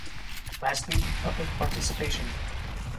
Lastly, public participation.